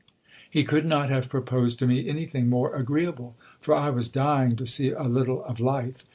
He could not have proposed to me anything more agreeable : for I was dying to see a little of life.